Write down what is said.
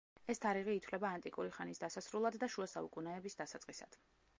ეს თარიღი ითვლება ანტიკური ხანის დასასრულად და შუა საუკუნეების დასაწყისად.